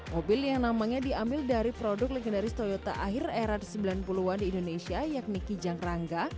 mobil yang namanya diambil dari produk legendaris toyota akhir era sembilan puluh an di indonesia yakni kijang rangga